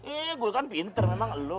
iya gua kan pinter memang elu